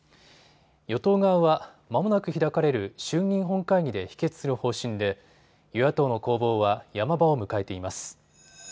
与党側はまもなく開かれる衆議院本会議で否決する方針で与野党の攻防はヤマ場を迎えています。